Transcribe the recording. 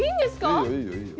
いいよいいよいいよ。